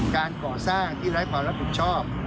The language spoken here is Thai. การก่อสร้างที่ไร้ความรับผิดชอบ